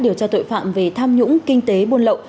điều tra tội phạm về tham nhũng kinh tế buôn lậu